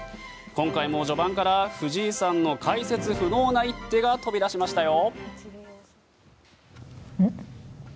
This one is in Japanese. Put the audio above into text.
今回も序盤から藤井さんの解説不能な一手が飛び出しましたよ。